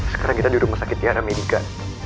sekarang kita di rumah sakit tiada medika